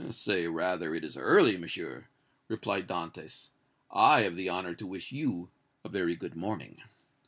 "Say, rather, it is early, Monsieur!" replied Dantès. "I have the honor to wish you a very good morning!"